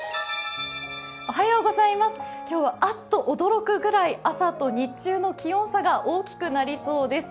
今日は、あっと驚くぐらい朝と日中の気温差が大きくなりそうです。